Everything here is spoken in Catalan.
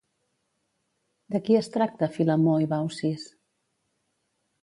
De qui es tracta Filemó i Baucis?